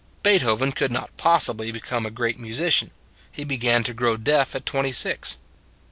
Beethoven could not possibly become a great musician. He began to grow deaf at twenty six.